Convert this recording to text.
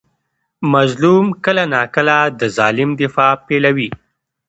مظلوم کله ناکله د ظالم دفاع پیلوي.